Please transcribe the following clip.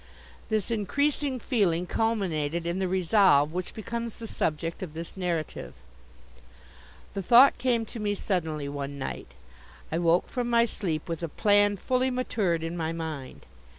This increasing feeling culminated in the resolve which becomes the subject of this narrative. The thought came to me suddenly one night. I woke from my sleep with a plan fully matured in my mind.